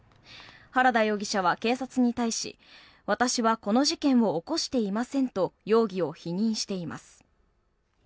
原田容疑者は警察に対し私はこの事件を起こしていませんと容疑を否認しています。